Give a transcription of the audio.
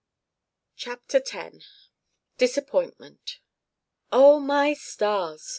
CHAPTER X DISAPPOINTMENT "Oh! my stars!"